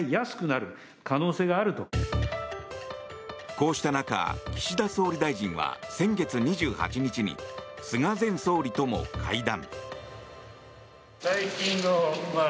こうした中、岸田総理大臣は先月２８日に菅前総理とも会談。